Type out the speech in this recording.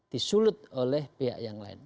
disulut oleh pihak yang lain